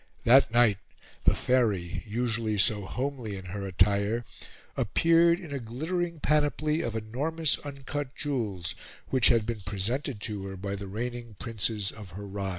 That night the Faery, usually so homely in her attire, appeared in a glittering panoply of enormous uncut jewels, which had been presented to her by the reigning Princes of her Raj.